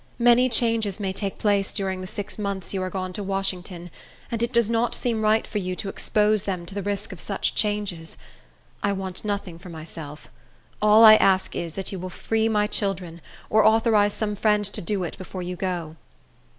Many changes may take place during the six months you are gone to Washington, and it does not seem right for you to expose them to the risk of such changes. I want nothing for myself; all I ask is, that you will free my children, or authorize some friend to do it, before you go."